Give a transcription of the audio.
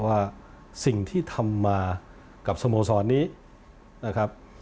ว่าสิ่งที่ทำมากับสโมสรนี้นะครับ